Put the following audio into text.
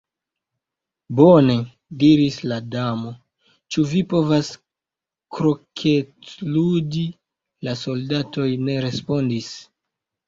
"Bone," diris la Damo. "Ĉu vi povas kroketludi?" La soldatoj ne respondis.